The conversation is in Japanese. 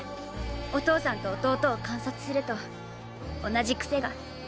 お父さんと弟を観察すると同じ癖が。